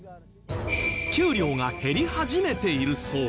給料が減り始めているそう。